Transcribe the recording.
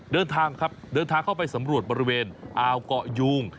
เดินทางครับเดินทางเข้าไปสำรวจบริเวณอ่าวเกาะยูง